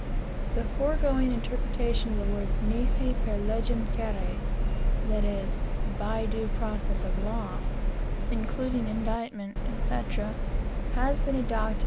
The foregoing interpretation of the words nisi per legem terrae that is, by due process of law including indictment, &c., has been adopted.